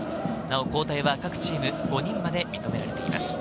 交代は各チーム５人まで認められています。